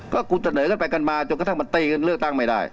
ก็กูเสนอกันไปกันมาจนกระทั่งมันตีกันเลือกตั้งไม่ได้